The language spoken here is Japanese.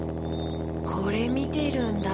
これみてるんだ。